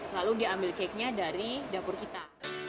lalu dia ambil cake nya dari dapur kita